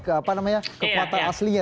karena namanya kekuatan aslinya